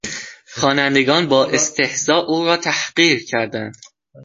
خوانندگان با استهزا او را تحقیر کردند.